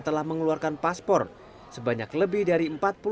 telah mengeluarkan paspor sebanyak lebih dari empat puluh satu delapan ratus